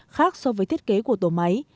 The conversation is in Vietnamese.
khác so với thiết kế của tổ máy